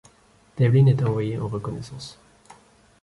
Devlin est envoyé en reconnaissance.